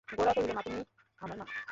গোরা কহিল, মা, তুমিই আমার মা।